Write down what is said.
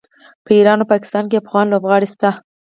په ایران او پاکستان کې افغان لوبغاړي شته.